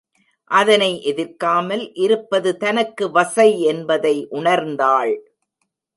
அதனை எதிர்க்காமல் இருப்பது தனக்கு வசை என்பதை உணர்ந்தாள்.